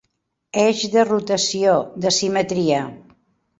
Eix de rotació, de simetria.